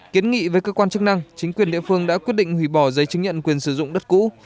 kiến nghị với cơ quan chức năng chính quyền địa phương đã quyết định hủy bỏ giấy chứng nhận quyền sử dụng đất cũ